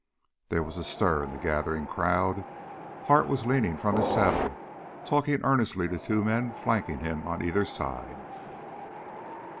There was a stir in the gathering crowd. Hart was leaning from his saddle, talking earnestly to two men flanking him on either side.